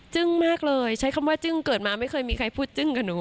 มากเลยใช้คำว่าจึ้งเกิดมาไม่เคยมีใครพูดจึ้งกับหนู